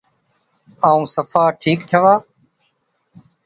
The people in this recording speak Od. ائُون صفا ٺِيڪ ڇَئُون۔